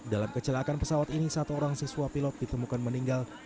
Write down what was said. dalam kecelakaan pesawat ini satu orang siswa pilot ditemukan meninggal